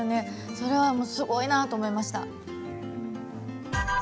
それはすごいなと思いました。